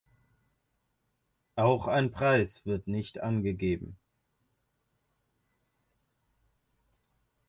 Auch ein Preis wird nicht angegeben.